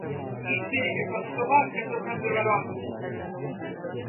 Hoy se tiende a poner su verdadero apellido, Ophüls.